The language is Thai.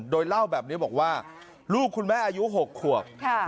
โดยเล่าแบบนี้บอกว่าลูกคุณแม่อายุ๖ขวบ